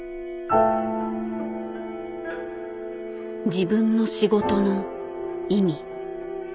自分の仕事の意味。